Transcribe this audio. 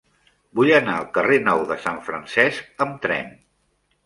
Vull anar al carrer Nou de Sant Francesc amb tren.